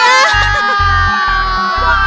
udah suhaich bang